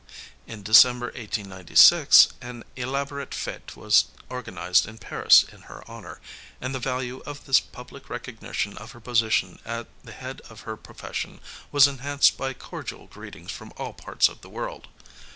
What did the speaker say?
In December 1896 an elaborate fęte was organized in Paris in her honour; and the value of this public recognition of her position at the head of her profession was enhanced by cordial greetings from all parts of the world.